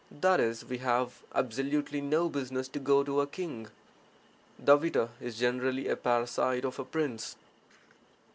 (That is, we have absolutely no business to go to a king.) [The for is generally a parasite of a prince.